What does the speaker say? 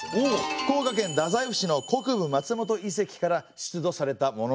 福岡県太宰府市の国分松本遺跡から出土されたものなんですね。